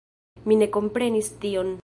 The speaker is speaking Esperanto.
Mi ne komprenis tion.